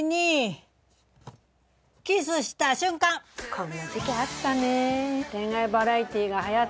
こんな時期あったね。